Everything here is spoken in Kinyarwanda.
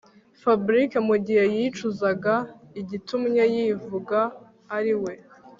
fabric mugihe yicuzaga igitumye yivuga ariwe